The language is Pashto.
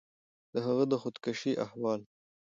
د هغه د خودکشي احوال